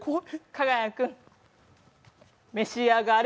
加賀谷君、召し上がれ。